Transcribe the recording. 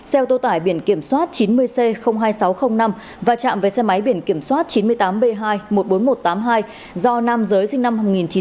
xe ô tô tải biển kiểm soát chín mươi c hai nghìn sáu trăm linh năm và chạm với xe máy biển kiểm soát chín mươi tám b hai một mươi bốn nghìn một trăm tám mươi hai do nam giới sinh năm một nghìn chín trăm tám mươi